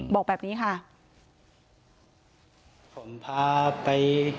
บอกแบบนี้ค่ะ